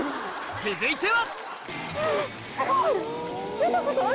続いては！